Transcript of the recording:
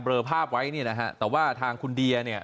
ภาพไว้เนี่ยนะฮะแต่ว่าทางคุณเดียเนี่ย